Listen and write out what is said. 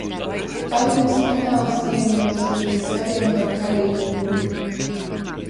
Panamas kanāls ziemeļos līci savieno ar Karību jūru.